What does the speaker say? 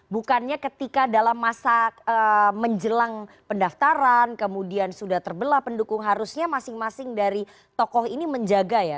bukannya ketika dalam masa menjelang pendaftaran kemudian sudah terbelah pendukung harusnya masing masing dari tokoh ini menjaga ya